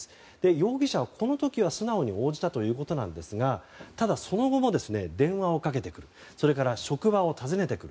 容疑者はこの時、素直に応じたということなんですがただ、その後も電話をかけてくるそれから職場を訪ねてくる。